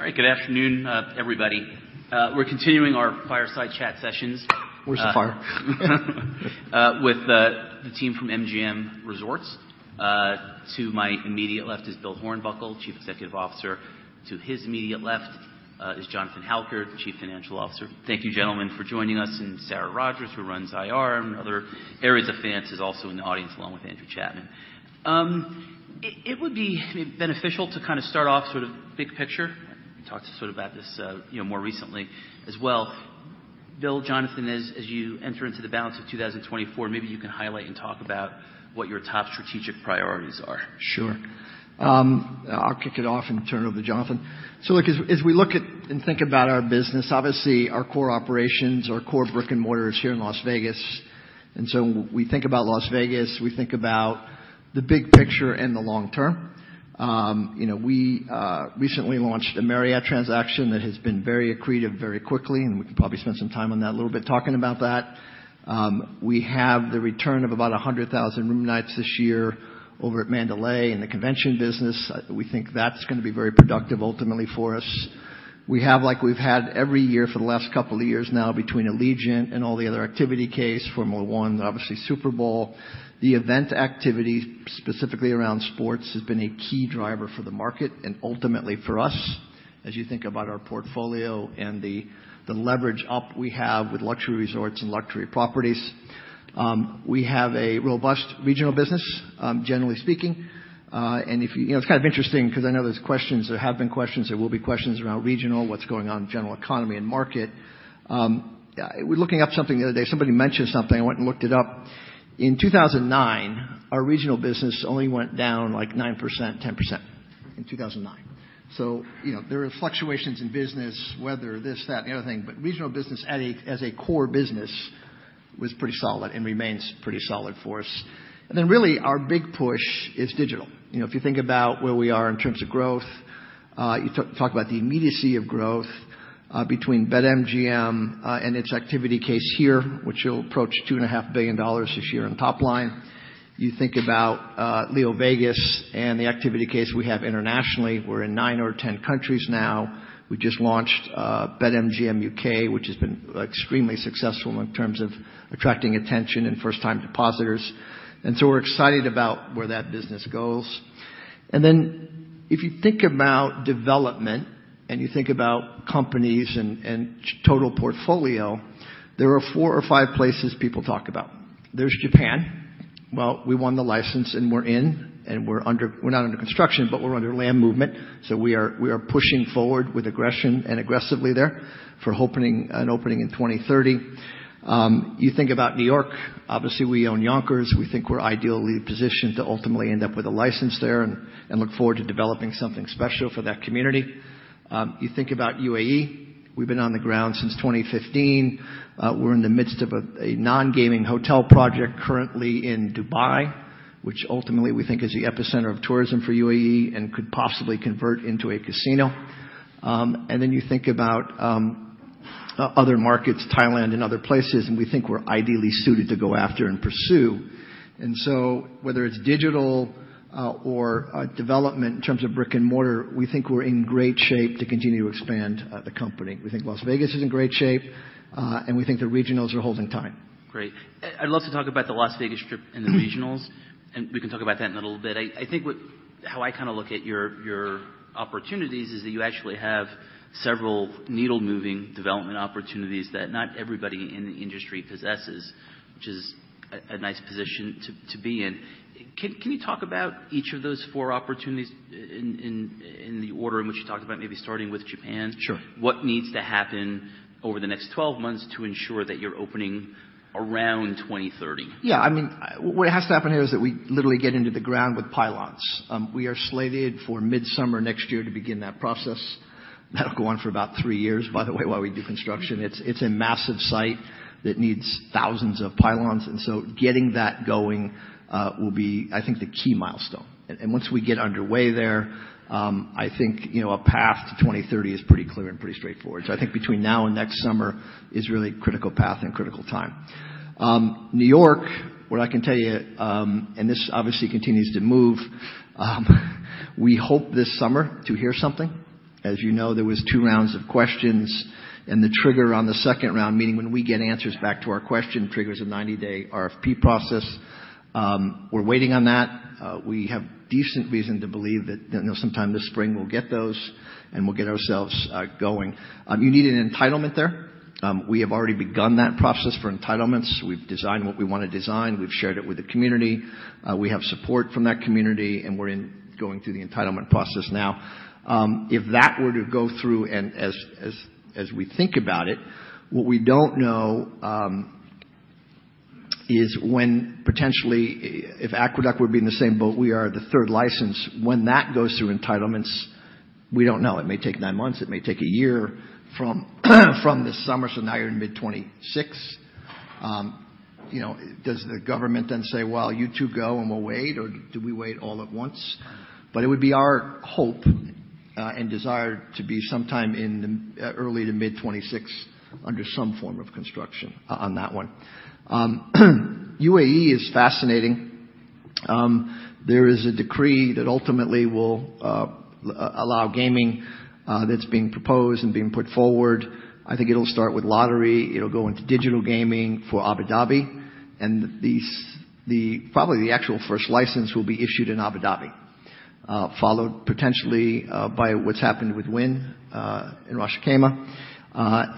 All right. Good afternoon, everybody. We're continuing our fireside chat sessions- Where's the fire? With the team from MGM Resorts. To my immediate left is Bill Hornbuckle, Chief Executive Officer. To his immediate left is Jonathan Halkyard, the Chief Financial Officer. Thank you, gentlemen, for joining us, and Sarah Rogers, who runs IR and other areas of finance, is also in the audience, along with Andrew Chapman. It would be beneficial to kind of start off sort of big picture. We talked sort of about this, you know, more recently as well. Bill, Jonathan, as you enter into the balance of 2024, maybe you can highlight and talk about what your top strategic priorities are. Sure. I'll kick it off and turn it over to Jonathan. So, look, as we look at and think about our business, obviously, our core operations, our core brick-and-mortar is here in Las Vegas. And so when we think about Las Vegas, we think about the big picture and the long term. You know, we recently launched a Marriott transaction that has been very accretive very quickly, and we can probably spend some time on that, a little bit, talking about that. We have the return of about 100,000 room nights this year over at Mandalay in the convention business. We think that's gonna be very productive ultimately for us. We have, like we've had every year for the last couple of years now, between Allegiant and all the other activities like Formula 1, obviously, Super Bowl. The event activity, specifically around sports, has been a key driver for the market and ultimately for us, as you think about our portfolio and the, the leverage up we have with luxury resorts and luxury properties. We have a robust regional business, generally speaking. And if you... You know, it's kind of interesting because I know there's questions, there have been questions, there will be questions around regional, what's going on in general economy and market. We're looking up something the other day. Somebody mentioned something, I went and looked it up. In 2009, our regional business only went down, like, 9%, 10%, in 2009. So, you know, there are fluctuations in business, weather, this, that, and the other thing, but regional business at a, as a core business, was pretty solid and remains pretty solid for us. And then really, our big push is digital. You know, if you think about where we are in terms of growth, you talk about the immediacy of growth, between BetMGM, and its activity case here, which will approach $2.5 billion this year on top line. You think about, LeoVegas and the activity case we have internationally. We're in nine or 10 countries now. We just launched, BetMGM UK, which has been extremely successful in terms of attracting attention and first-time depositors. And so we're excited about where that business goes. Then, if you think about development and you think about companies and total portfolio, there are four or five places people talk about. There's Japan. Well, we won the license, and we're in, and we're under—we're not under construction, but we're under land movement, so we are pushing forward with aggression and aggressively there for opening, an opening in 2030. You think about New York. Obviously, we own Yonkers. We think we're ideally positioned to ultimately end up with a license there and look forward to developing something special for that community. You think about UAE. We've been on the ground since 2015. We're in the midst of a non-gaming hotel project currently in Dubai, which ultimately we think is the epicenter of tourism for UAE and could possibly convert into a casino. And then you think about other markets, Thailand and other places, and we think we're ideally suited to go after and pursue. And so whether it's digital, or development in terms of brick and mortar, we think we're in great shape to continue to expand the company. We think Las Vegas is in great shape, and we think the regionals are holding time. Great. I'd love to talk about the Las Vegas Strip and the regionals, and we can talk about that in a little bit. I think how I kind of look at your opportunities is that you actually have several needle-moving development opportunities that not everybody in the industry possesses, which is a nice position to be in. Can you talk about each of those four opportunities in the order in which you talked about, maybe starting with Japan? Sure. What needs to happen over the next 12 months to ensure that you're opening around 2030? Yeah, I mean, what has to happen here is that we literally get into the ground with pylons. We are slated for midsummer next year to begin that process. That'll go on for about three years, by the way, while we do construction. It's a massive site that needs thousands of pylons, and so getting that going will be, I think, the key milestone. And once we get underway there, I think, you know, a path to 2030 is pretty clear and pretty straightforward. So I think between now and next summer is really critical path and critical time. New York, what I can tell you, and this obviously continues to move, we hope this summer to hear something. As you know, there was 2 rounds of questions, and the trigger on the second round, meaning when we get answers back to our question, triggers a 90-day RFP process. We're waiting on that. We have decent reason to believe that, you know, sometime this spring, we'll get those, and we'll get ourselves going. You need an entitlement there. We have already begun that process for entitlements. We've designed what we want to design. We've shared it with the community. We have support from that community, and we're going through the entitlement process now. If that were to go through and as we think about it, what we don't know is when potentially, if Aqueduct would be in the same boat, we are the third license. When that goes through entitlements, we don't know. It may take nine months, it may take a year from this summer, so now you're in mid-2026. You know, does the government then say, "Well, you two go, and we'll wait," or do we wait all at once? But it would be our hope and desire to be sometime in the early to mid-2026 under some form of construction on that one. UAE is fascinating. There is a decree that ultimately will allow gaming that's being proposed and being put forward. I think it'll start with lottery. It'll go into digital gaming for Abu Dhabi, and the probably the actual first license will be issued in Abu Dhabi, followed potentially by what's happened with Wynn in Ras Al Khaimah.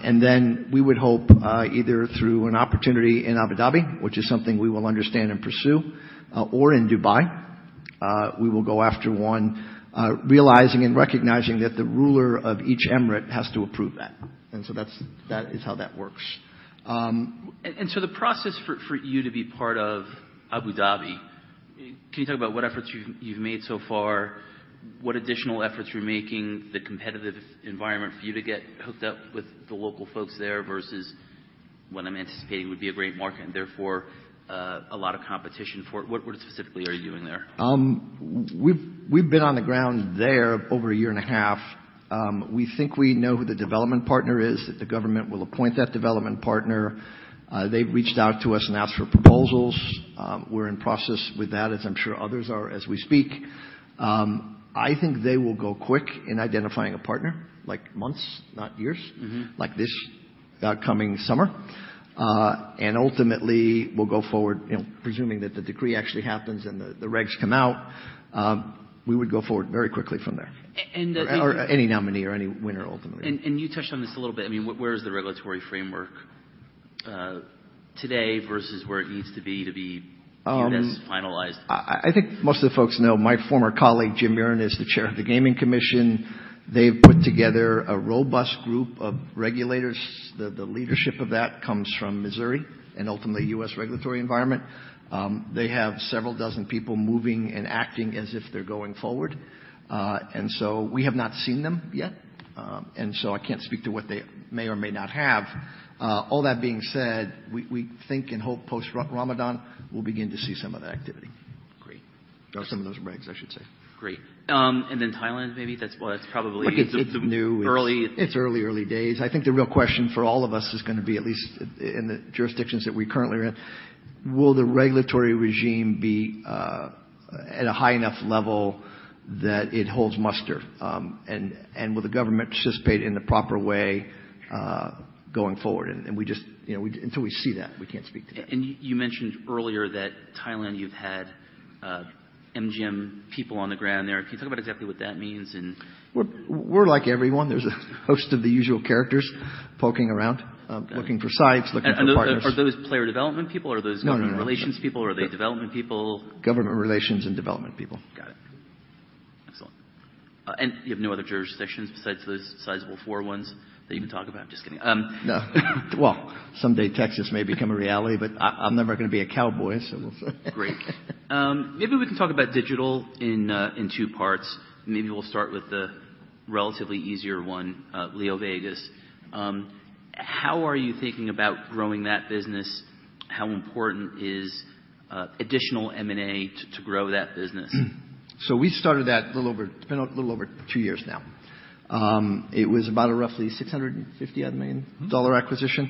and then we would hope, either through an opportunity in Abu Dhabi, which is something we will understand and pursue, or in Dubai, we will go after one, realizing and recognizing that the ruler of each emirate has to approve that. And so that's - that is how that works. So the process for you to be part of Abu Dhabi, can you talk about what efforts you've made so far? What additional efforts you're making, the competitive environment for you to get hooked up with the local folks there versus what I'm anticipating would be a great market and therefore a lot of competition for it. What specifically are you doing there? We've been on the ground there over a year and a half. We think we know who the development partner is, that the government will appoint that development partner. They've reached out to us and asked for proposals. We're in process with that, as I'm sure others are, as we speak. I think they will go quick in identifying a partner, like, months, not years. Mm-hmm. Like this coming summer. And ultimately, we'll go forward, you know, presuming that the decree actually happens and the regs come out, we would go forward very quickly from there. And, and- Or any nominee or any winner, ultimately. You touched on this a little bit. I mean, where is the regulatory framework today versus where it needs to be, to be- Um- This finalized? I think most of the folks know my former colleague, Jim Murren, is the chair of the Gaming Commission. They've put together a robust group of regulators. The leadership of that comes from Missouri and ultimately U.S. regulatory environment. They have several dozen people moving and acting as if they're going forward. And so we have not seen them yet, and so I can't speak to what they may or may not have. All that being said, we think and hope post-Ramadan, we'll begin to see some of the activity. Great. Or some of those regs, I should say. Great. And then Thailand, maybe that's— well, that's probably- It's new. Early. It's early, early days. I think the real question for all of us is gonna be, at least in the jurisdictions that we currently are in, will the regulatory regime be at a high enough level that it holds muster? And will the government participate in the proper way going forward? And we just, you know, until we see that, we can't speak to that. You, you mentioned earlier that Thailand, you've had MGM people on the ground there. Can you talk about exactly what that means, and- We're like everyone. There's a host of the usual characters poking around, looking for sites, looking for partners. Are those player development people, or are those- No, no, no. Government relations people, or are they development people? Government relations and development people. Got it. Excellent. And you have no other jurisdictions besides those sizable four ones that you can talk about? Just kidding. No. Well, someday Texas may become a reality, but I, I'm never gonna be a cowboy, so we'll see. Great. Maybe we can talk about digital in two parts. Maybe we'll start with the relatively easier one, LeoVegas. How are you thinking about growing that business? How important is additional M&A to grow that business? So we started that a little over... It's been a little over two years now. It was about a roughly $650-odd million- Mm-hmm. -dollar acquisition.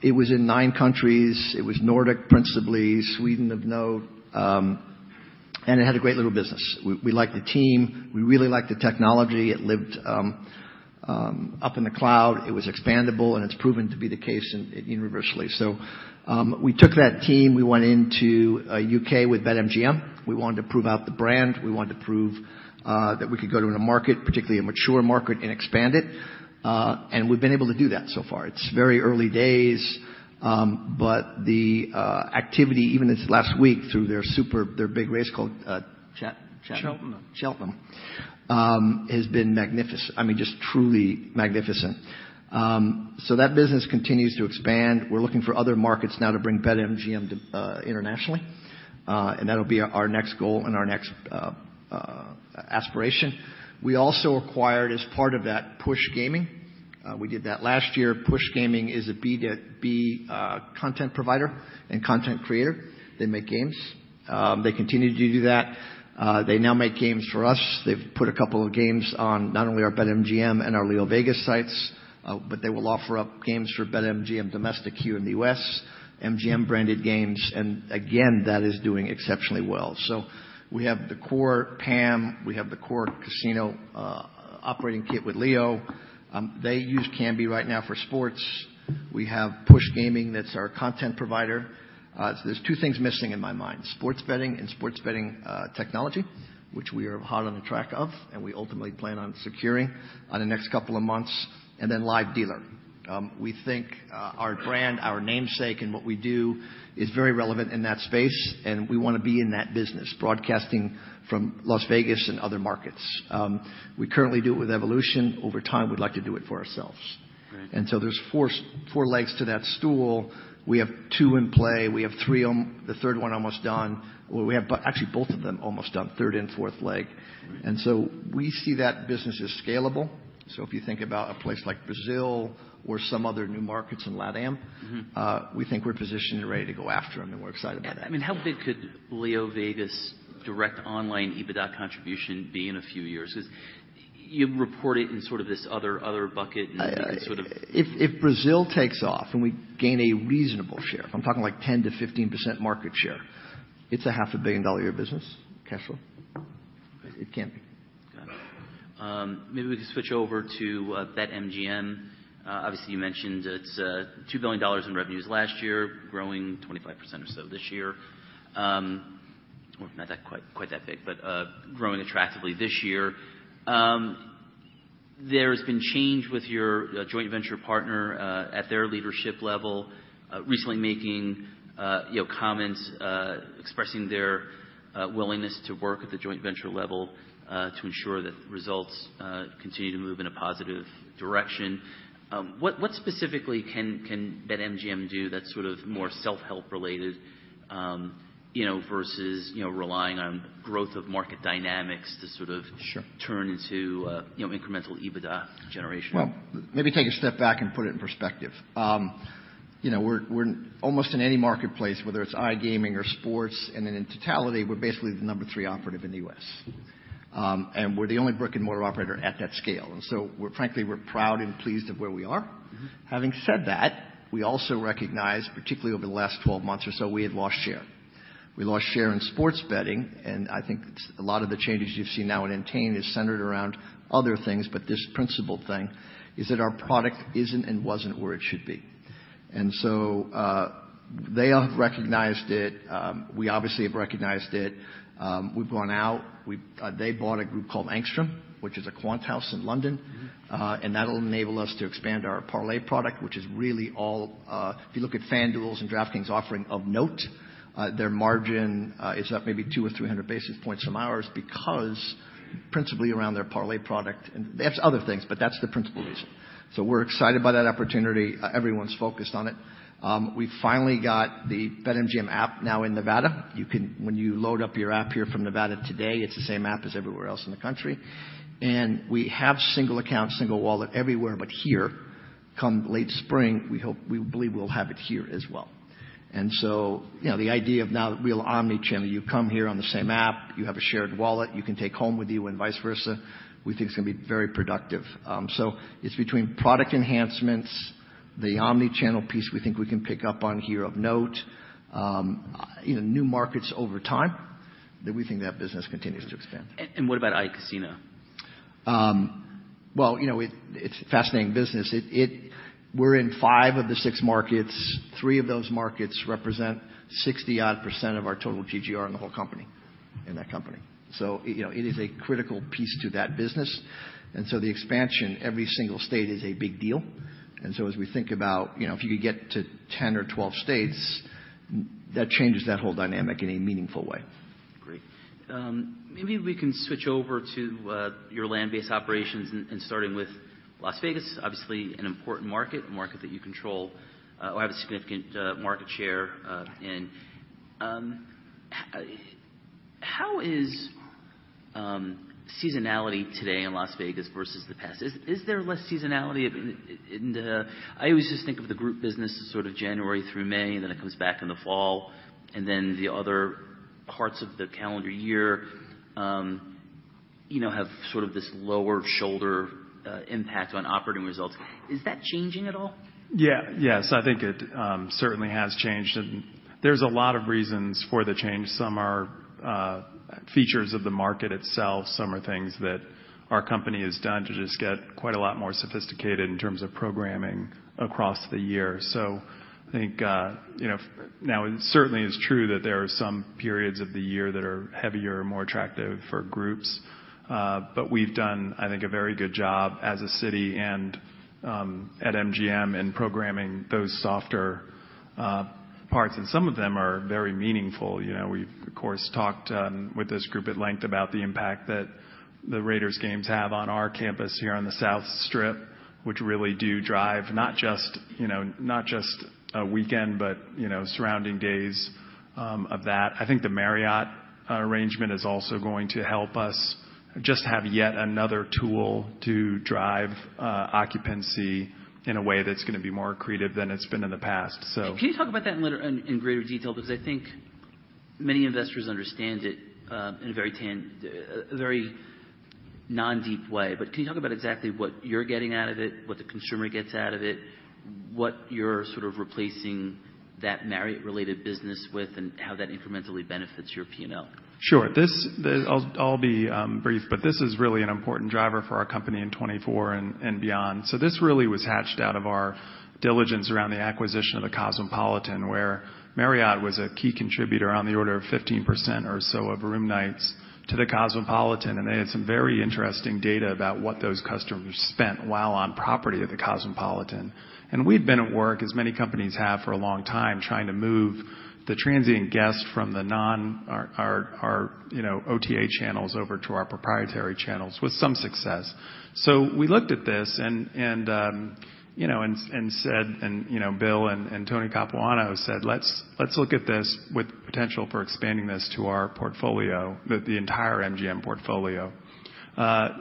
It was in nine countries. It was Nordic, principally Sweden of note, and it had a great little business. We liked the team. We really liked the technology. It lived up in the cloud. It was expandable, and it's proven to be the case internationally. So, we took that team, we went into UK with BetMGM. We wanted to prove out the brand. We wanted to prove that we could go in a market, particularly a mature market, and expand it, and we've been able to do that so far. It's very early days, but the activity, even this last week, through their big race called Cheltenham. Cheltenham. Cheltenham has been magnificent. I mean, just truly magnificent. So that business continues to expand. We're looking for other markets now to bring BetMGM internationally, and that'll be our next goal and our next aspiration. We also acquired, as part of that, Push Gaming. We did that last year. Push Gaming is a B2B content provider and content creator. They make games. They continue to do that. They now make games for us. They've put a couple of games on not only our BetMGM and our LeoVegas sites, but they will offer up games for BetMGM domestic here in the US, MGM branded games, and again, that is doing exceptionally well. So we have the core PAM, we have the core casino operating kit with Leo. They use Kambi right now for sports. We have Push Gaming, that's our content provider. So there's two things missing in my mind: sports betting and sports betting, technology, which we are hot on the track of, and we ultimately plan on securing on the next couple of months, and then live dealer. We think, our brand, our namesake, and what we do is very relevant in that space, and we want to be in that business, broadcasting from Las Vegas and other markets. We currently do it with Evolution. Over time, we'd like to do it for ourselves. Right. So there's four legs to that stool. We have two in play. We have three on, the third one almost done. Well, we have actually, both of them almost done, third and fourth leg. Right. We see that business as scalable. If you think about a place like Brazil or some other new markets in LatAm- Mm-hmm. We think we're positioned and ready to go after them, and we're excited about that. I mean, how big could LeoVegas' direct online EBITDA contribution be in a few years? You report it in sort of this other, other bucket, and sort of- If Brazil takes off and we gain a reasonable share, I'm talking like 10%-15% market share, it's a $500 million a year business, cash flow. It can be. Got it. Maybe we can switch over to BetMGM. Obviously, you mentioned it's $2 billion in revenues last year, growing 25% or so this year. Well, not quite that big, but growing attractively this year. There has been change with your joint venture partner at their leadership level recently making, you know, comments expressing their willingness to work at the joint venture level to ensure that results continue to move in a positive direction. What specifically can BetMGM do that's sort of more self-help related, you know, versus relying on growth of market dynamics to sort of- Sure turn into, you know, incremental EBITDA generation? Well, maybe take a step back and put it in perspective. You know, we're, we're almost in any marketplace, whether it's iGaming or sports, and then in totality, we're basically the number 3 operator in the U.S. Mm-hmm. And we're the only brick-and-mortar operator at that scale. And so we're frankly, we're proud and pleased of where we are. Mm-hmm. Having said that, we also recognize, particularly over the last 12 months or so, we had lost share. We lost share in sports betting, and I think a lot of the changes you've seen now in Entain is centered around other things, but this principal thing is that our product isn't and wasn't where it should be. And so, they have recognized it, we obviously have recognized it. We've gone out, they bought a group called Angstrom, which is a quant house in London. Mm-hmm. And that'll enable us to expand our parlay product, which is really all... If you look at FanDuel's and DraftKings' offering of note, their margin is up maybe 200 or 300 basis points from ours because principally around their parlay product, and they have other things, but that's the principal reason. So we're excited by that opportunity. Everyone's focused on it. We finally got the BetMGM app now in Nevada. You can—when you load up your app here from Nevada today, it's the same app as everywhere else in the country. And we have single account, single wallet everywhere but here. Come late spring, we hope—we believe we'll have it here as well. And so, you know, the idea of now that we're omni-channel, you come here on the same app, you have a shared wallet, you can take home with you and vice versa. We think it's going to be very productive. So it's between product enhancements, the omni-channel piece we think we can pick up on here of note, you know, new markets over time, that we think that business continues to expand. And what about iCasino? Well, you know, it's a fascinating business. We're in five of the six markets. Three of those markets represent 60-odd% of our total GGR in the whole company, in that company. So, you know, it is a critical piece to that business, and so the expansion, every single state is a big deal. And so as we think about, you know, if you could get to 10 or 12 states, that changes that whole dynamic in a meaningful way. Great. Maybe we can switch over to your land-based operations and starting with Las Vegas. Obviously, an important market, a market that you control or have a significant market share in. How is seasonality today in Las Vegas versus the past? Is there less seasonality in the... I always just think of the group business as sort of January through May, and then it comes back in the fall, and then the other parts of the calendar year, you know, have sort of this lower shoulder impact on operating results. Is that changing at all? Yeah. Yes, I think it certainly has changed, and there's a lot of reasons for the change. Some are features of the market itself, some are things that our company has done to just get quite a lot more sophisticated in terms of programming across the year. So I think, you know, now, it certainly is true that there are some periods of the year that are heavier, more attractive for groups. But we've done, I think, a very good job as a city and at MGM in programming those softer parts, and some of them are very meaningful. You know, we've, of course, talked with this group at length about the impact that the Raiders games have on our campus here on the South Strip, which really do drive not just, you know, not just a weekend, but, you know, surrounding days of that. I think the Marriott arrangement is also going to help us just have yet another tool to drive occupancy in a way that's going to be more accretive than it's been in the past. So- Can you talk about that in greater detail? Because I think many investors understand it in a very non-deep way. But can you talk about exactly what you're getting out of it, what the consumer gets out of it, what you're sort of replacing that Marriott-related business with, and how that incrementally benefits your P&L? Sure. This, I'll be brief, but this is really an important driver for our company in 2024 and beyond. So this really was hatched out of our diligence around the acquisition of the Cosmopolitan, where Marriott was a key contributor on the order of 15% or so of room nights to the Cosmopolitan. We'd been at work, as many companies have, for a long time, trying to move the transient guests from the OTA channels over to our proprietary channels with some success. So we looked at this and you know, Bill and Tony Capuano said: Let's look at this with potential for expanding this to our portfolio, the entire MGM portfolio.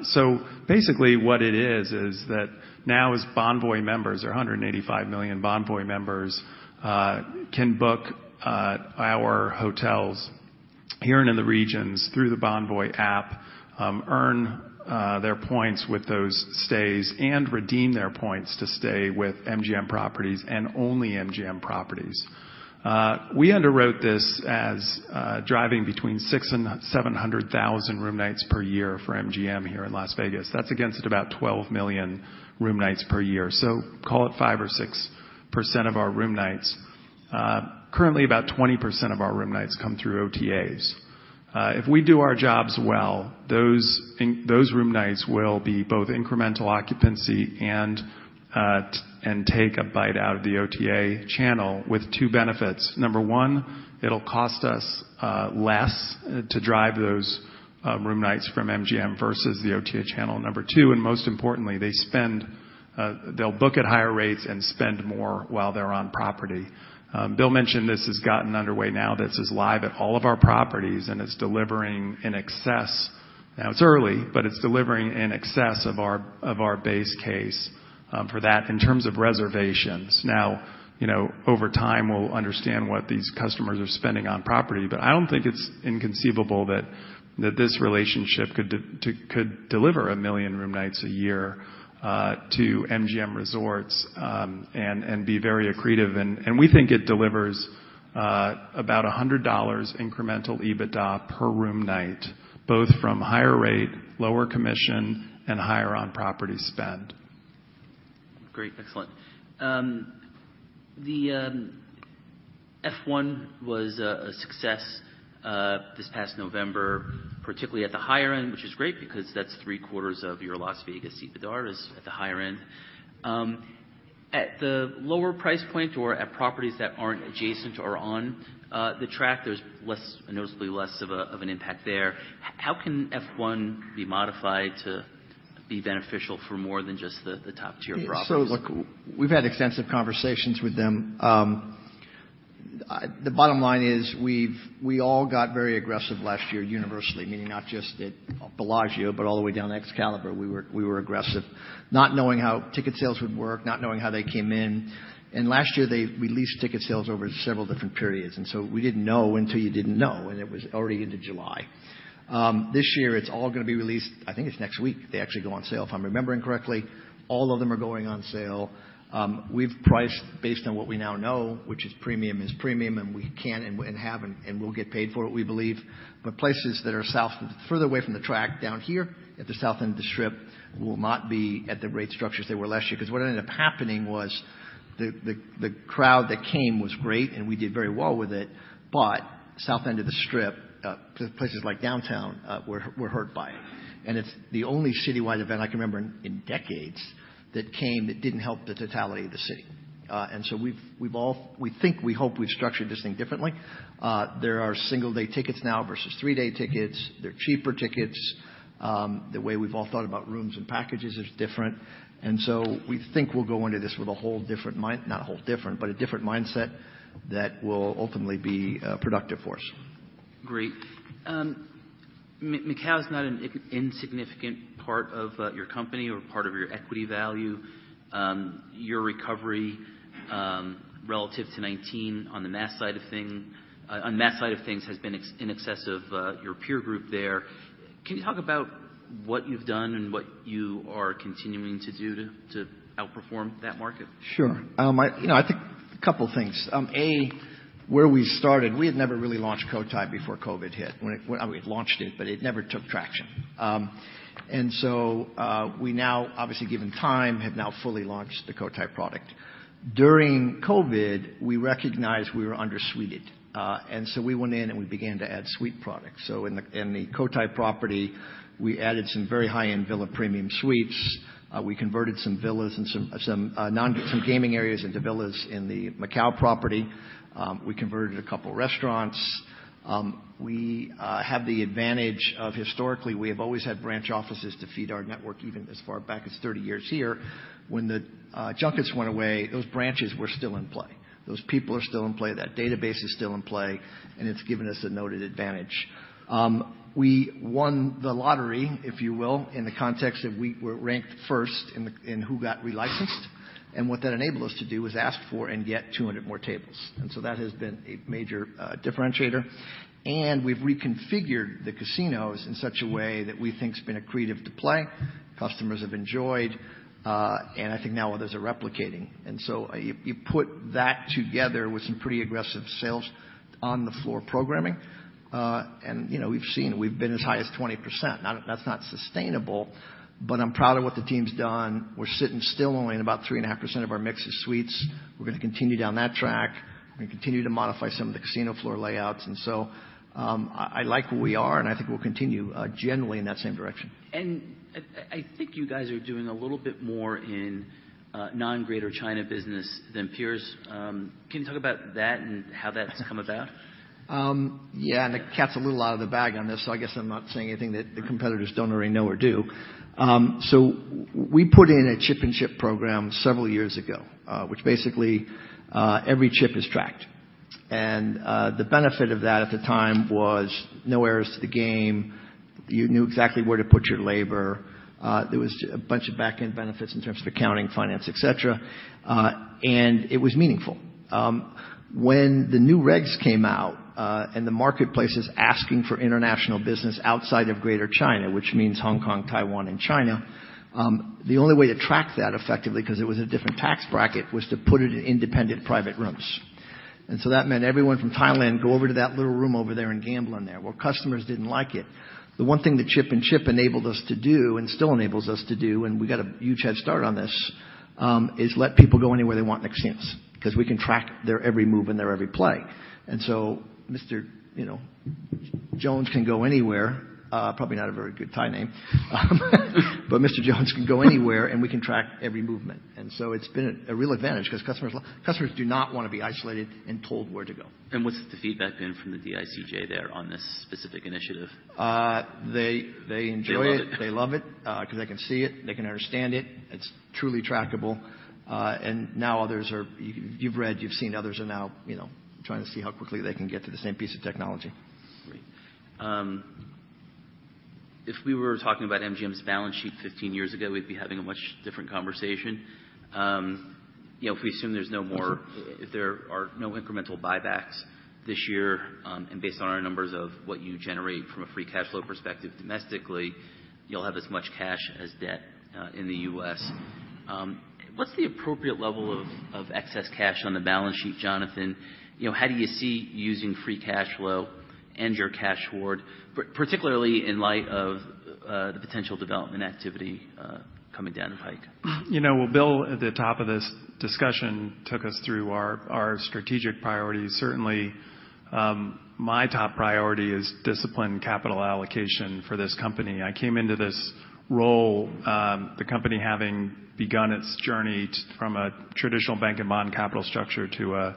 So basically, what it is, is that now as Bonvoy members, there are 185 million Bonvoy members can book our hotels-... here and in the regions through the Bonvoy app, earn their points with those stays and redeem their points to stay with MGM properties and only MGM properties. We underwrote this as driving between 600,000 and 700,000 room nights per year for MGM here in Las Vegas. That's against about 12 million room nights per year. So call it 5% or 6% of our room nights. Currently about 20% of our room nights come through OTAs. If we do our jobs well, those room nights will be both incremental occupancy and take a bite out of the OTA channel with two benefits. Number one, it'll cost us less to drive those room nights from MGM versus the OTA channel. Number 2, and most importantly, they spend, they'll book at higher rates and spend more while they're on property. Bill mentioned this has gotten underway now. This is live at all of our properties, and it's delivering in excess. Now, it's early, but it's delivering in excess of our base case for that in terms of reservations. Now, you know, over time, we'll understand what these customers are spending on property, but I don't think it's inconceivable that this relationship could deliver 1 million room nights a year to MGM Resorts, and be very accretive. And we think it delivers about $100 incremental EBITDA per room night, both from higher rate, lower commission, and higher on-property spend. Great, excellent. The F1 was a success this past November, particularly at the higher end, which is great because that's three-quarters of your Las Vegas EBITDA is at the higher end. At the lower price point or at properties that aren't adjacent or on the track, there's less, noticeably less of an impact there. How can F1 be modified to be beneficial for more than just the top-tier properties? So, look, we've had extensive conversations with them. The bottom line is, we all got very aggressive last year, universally, meaning not just at Bellagio, but all the way down to Excalibur, we were, we were aggressive, not knowing how ticket sales would work, not knowing how they came in. And last year, they released ticket sales over several different periods, and so we didn't know until you didn't know, and it was already into July. This year, it's all going to be released... I think it's next week, they actually go on sale, if I'm remembering correctly. All of them are going on sale. We've priced based on what we now know, which is premium is premium, and we can and, and have, and will get paid for it, we believe. But places that are south, further away from the track down here at the south end of the Strip, will not be at the rate structures they were last year. Because what ended up happening was the crowd that came was great, and we did very well with it, but south end of the Strip, places like downtown, were hurt by it. And it's the only citywide event I can remember in decades that came that didn't help the totality of the city. And so we've all we think, we hope we've structured this thing differently. There are single-day tickets now versus three-day tickets. They're cheaper tickets. The way we've all thought about rooms and packages is different. And so we think we'll go into this with a whole different mind... Not a whole different, but a different mindset that will ultimately be productive for us. Great. Macau is not an insignificant part of your company or part of your equity value. Your recovery relative to 2019 on the mass side of things has been in excess of your peer group there. Can you talk about what you've done and what you are continuing to do to outperform that market? Sure. I, you know, I think a couple things. A, where we started, we had never really launched Cotai before COVID hit. I mean, we had launched it, but it never took traction. And so, we now, obviously, given time, have now fully launched the Cotai product. During COVID, we recognized we were undersuited, and so we went in, and we began to add suite products. So in the Cotai property, we added some very high-end villa premium suites. We converted some villas and some non-gaming areas into villas in the Macau property. We converted a couple restaurants. We have the advantage of, historically, we have always had branch offices to feed our network, even as far back as 30 years here. When the junkets went away, those branches were still in play. Those people are still in play, that database is still in play, and it's given us a noted advantage. We won the lottery, if you will, in the context that we were ranked first in who got relicensed, and what that enabled us to do was ask for and get 200 more tables, and so that has been a major differentiator. And we've reconfigured the casinos in such a way that we think has been accretive to play, customers have enjoyed, and I think now others are replicating. And so you put that together with some pretty aggressive sales on the floor programming, and, you know, we've seen we've been as high as 20%. Now, that's not sustainable, but I'm proud of what the team's done. We're sitting still only in about 3.5% of our mix of suites. We're going to continue down that track. We're going to continue to modify some of the casino floor layouts, and so, I like where we are, and I think we'll continue, generally in that same direction. I think you guys are doing a little bit more in non-greater China business than peers. Can you talk about that and how that's come about? Yeah, and the cat's a little out of the bag on this, so I guess I'm not saying anything that the competitors don't already know or do. So we put in a chip-in-chip program several years ago, which basically, every chip is tracked. And the benefit of that at the time was no errors to the game. You knew exactly where to put your labor. There was a bunch of back-end benefits in terms of accounting, finance, et cetera, and it was meaningful. When the new regs came out, and the marketplace is asking for international business outside of Greater China, which means Hong Kong, Taiwan, and China, the only way to track that effectively, because it was a different tax bracket, was to put it in independent private rooms. And so that meant everyone from Thailand go over to that little room over there and gamble in there. Well, customers didn't like it. The one thing that chip-in-chip enabled us to do, and still enables us to do, and we got a huge head start on this, is let people go anywhere they want any chance, because we can track their every move and their every play. And so Mr., you know, Jones can go anywhere, probably not a very good Thai name, but Mr. Jones can go anywhere, and we can track every movement. And so it's been a real advantage because customers do not want to be isolated and told where to go. What's the feedback been from the DICJ there on this specific initiative? They enjoy it. They love it. They love it, because they can see it, they can understand it. It's truly trackable. And now others are... You've read, you've seen others are now, you know, trying to see how quickly they can get to the same piece of technology. Great. If we were talking about MGM's balance sheet 15 years ago, we'd be having a much different conversation. You know, if we assume there's no more- Mm-hmm. If there are no incremental buybacks this year, and based on our numbers of what you generate from a free cash flow perspective domestically, you'll have as much cash as debt in the US. What's the appropriate level of excess cash on the balance sheet, Jonathan? You know, how do you see using free cash flow and your cash hoard, particularly in light of the potential development activity coming down the pike? You know, well, Bill, at the top of this discussion took us through our strategic priorities. Certainly, my top priority is discipline capital allocation for this company. I came into this role, the company having begun its journey from a traditional bank and bond capital structure to an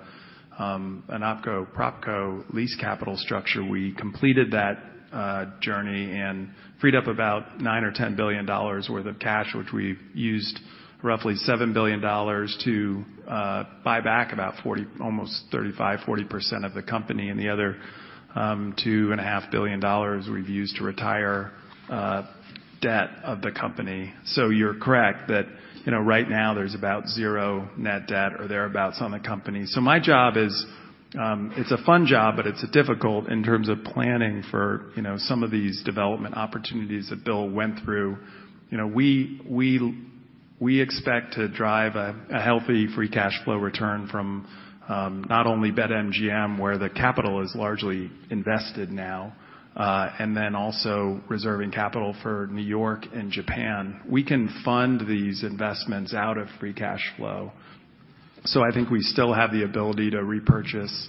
OpCo, PropCo lease capital structure. We completed that journey and freed up about $9 billion or $10 billion worth of cash, which we used roughly $7 billion to buy back about 40, almost 35-40% of the company, and the other $2.5 billion we've used to retire debt of the company. So you're correct that, you know, right now there's about zero net debt or thereabouts on the company. So my job is, it's a fun job, but it's difficult in terms of planning for, you know, some of these development opportunities that Bill went through. You know, we expect to drive a healthy free cash flow return from, not only BetMGM, where the capital is largely invested now, and then also reserving capital for New York and Japan. We can fund these investments out of free cash flow. So I think we still have the ability to repurchase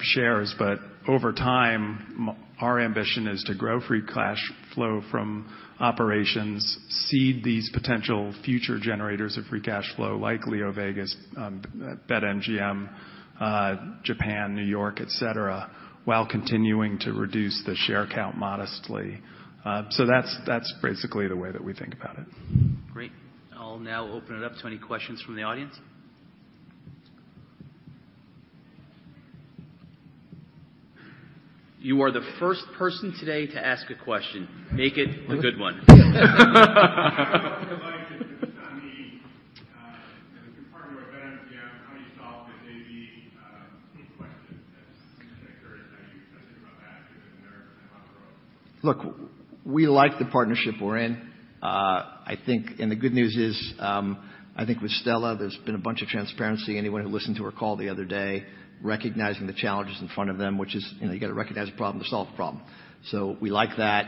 shares, but over time, our ambition is to grow free cash flow from operations, seed these potential future generators of free cash flow, like LeoVegas, BetMGM, Japan, New York, et cetera, while continuing to reduce the share count modestly. So that's basically the way that we think about it. Great. I'll now open it up to any questions from the audience. You are the first person today to ask a question. Make it a good one.... Like, on the, you know, the partner with BetMGM, how do you solve the AB questions that occurred, how you touching on that and how it grows? Look, we like the partnership we're in. I think, and the good news is, I think with Stella, there's been a bunch of transparency. Anyone who listened to her call the other day, recognizing the challenges in front of them, which is, you know, you got to recognize the problem to solve the problem. So we like that.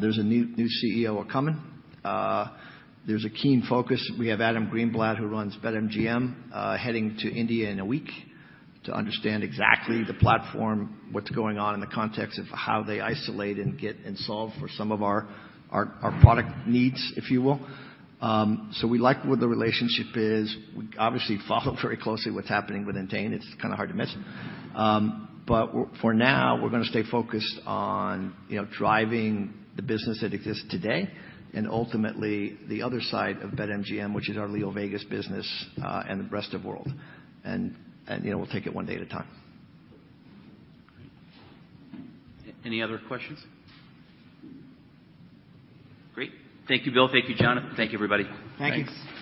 There's a new CEO coming. There's a keen focus. We have Adam Greenblatt, who runs BetMGM, heading to India in a week, to understand exactly the platform, what's going on in the context of how they isolate and get and solve for some of our product needs, if you will. So we like where the relationship is. We obviously follow very closely what's happening with Entain. It's kind of hard to miss. But for now, we're going to stay focused on, you know, driving the business that exists today, and ultimately, the other side of BetMGM, which is our LeoVegas business, and the rest of world. And you know, we'll take it one day at a time. Any other questions? Great. Thank you, Bill. Thank you, Jonathan. Thank you, everybody. Thank you. Thanks.